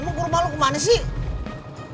emang korma lo kemana sih